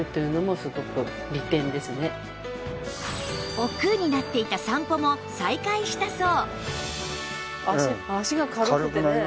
億劫になっていた散歩も再開したそう